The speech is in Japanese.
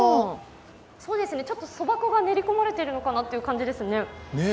ちょっとそば粉が練り込まれてるのかなという感じですね。